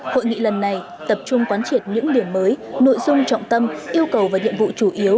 hội nghị lần này tập trung quán triệt những điểm mới nội dung trọng tâm yêu cầu và nhiệm vụ chủ yếu